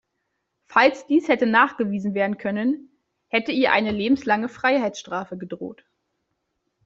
Falls dies hätte nachgewiesen werden können, hätte ihr eine lebenslange Freiheitsstrafe gedroht.